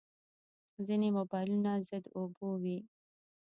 ځینې موبایلونه ضد اوبو وي.